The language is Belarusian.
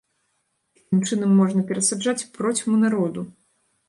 Такім чынам можна перасаджаць процьму народу!